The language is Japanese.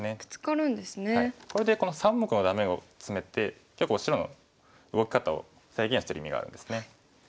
これでこの３目のダメをツメて白の動き方を制限してる意味があるんですね。